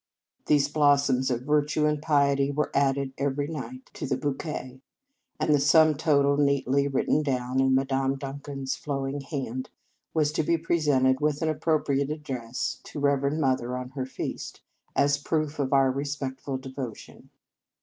These blossoms of virtue and piety were added every night to 186 Reverend Mother s Feast the bouquet; and the sum total, neatly written out in Madame Duncan s flow ing hand, was to be presented, with an appropriate address, to Reverend Mother on her feast, as a proof of our respectful devotion.